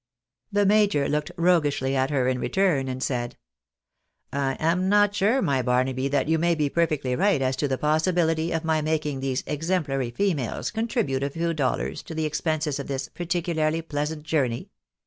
The major looked roguishly at her in return, and said —" I am not sure, my Bamaby, but that you may be perfectly right as to the possibility of my making these exemplary females contribute a few dollars to the expenses of this particiilarly pleasant journey.